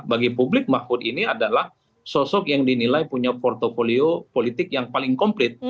bagi publik mahfud ini adalah sosok yang dinilai punya portfolio politik yang paling komplit